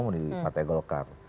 pemimpin partai golkar